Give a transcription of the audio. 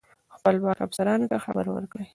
خپلو افسرانو ته خبر ورکړی.